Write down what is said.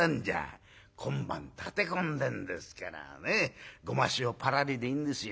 今晩立て込んでんですからねっごま塩パラリでいいんですよ。